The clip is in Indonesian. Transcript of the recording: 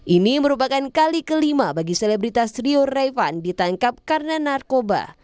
ini merupakan kali kelima bagi selebritas rio revan ditangkap karena narkoba